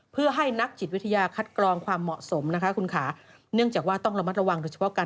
เพื่อให้นักจิตวิทยาคัดกรองความเหมาะสมนะฮะคุณคะ